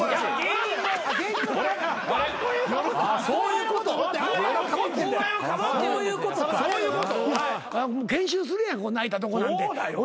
そういうことか。